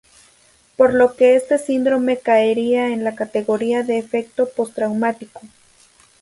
Por lo que este síndrome caería en la categoría de efecto postraumático.